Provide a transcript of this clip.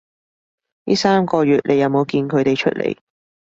呢三個月你有冇見佢哋出來